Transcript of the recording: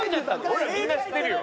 俺らみんな知ってるよ。